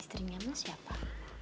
istrinya mas siapa